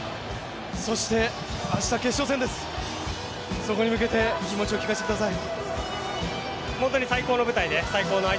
そして明日、決勝戦です、そこに向けて気持ちを聞かせてください。